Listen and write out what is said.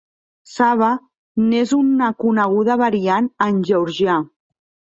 Saba n'és una coneguda variant en georgià.